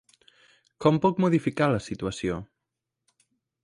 Com puc modificar la situació?